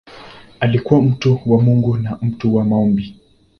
Alikuwa mtu wa Mungu na mtu wa maombi.